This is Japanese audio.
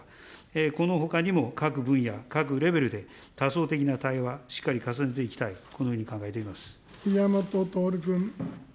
このほかにも各分野、各レベルで多層的な対話、しっかり重ねていきたい、このように考宮本徹君。